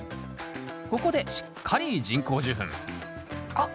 ここでしっかり人工授粉あっ。